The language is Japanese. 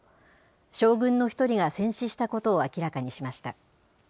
将軍の１人が戦死したことを明らかにしました。